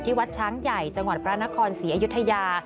วัดช้างใหญ่จังหวัดพระนครศรีอยุธยา